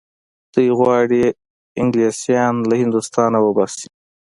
دوی غواړي انګلیسیان له هندوستانه وباسي.